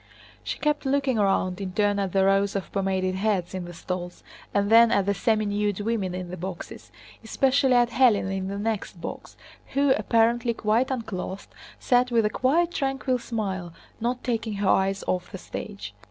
She kept looking round in turn at the rows of pomaded heads in the stalls and then at the seminude women in the boxes, especially at Hélène in the next box, who—apparently quite unclothed—sat with a quiet tranquil smile, not taking her eyes off the stage.